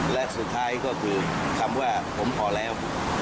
และสุดท้ายก็คือคำว่าผมพอแล้ว